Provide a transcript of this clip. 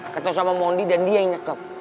ketemu sama mondi dan dia yang nyekep